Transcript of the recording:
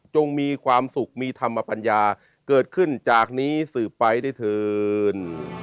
มีความสุขมีธรรมปัญญาเกิดขึ้นจากนี้สืบไปได้เถิน